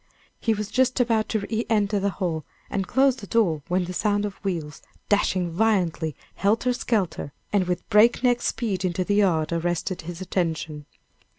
He was just about to re enter the hall and close the door when the sound of wheels, dashing violently, helter skelter, and with break neck speed into the yard, arrested his attention.